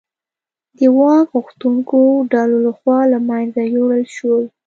د واک غوښتونکو ډلو لخوا له منځه یووړل شول.